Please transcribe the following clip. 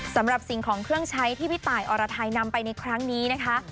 สำหรับสิ่งของเครื่องใช้ที่พี่ตายอรไทยนำไปในครั้งนี้นะคะ